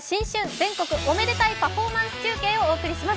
全国おめでたいパフォーマンス中継」をお届けします。